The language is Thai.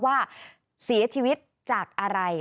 ว่าเสียชีวิตจากอะไร